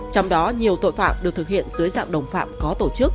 trong đó nhiều tội phạm được thực hiện dưới dạng đồng phạm có tổ chức